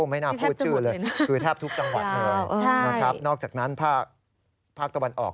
ไม่น่าพูดชื่อเลยคือแทบทุกจังหวัดเลยนะครับนอกจากนั้นภาคตะวันออก